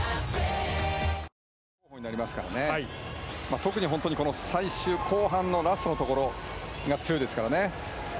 特に、最終後半のラストのところが強いですからね。